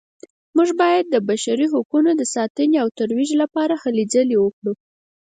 موږ باید د بشري حقونو د ساتنې او ترویج لپاره هلې ځلې وکړو